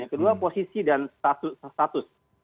kedua posisi dan status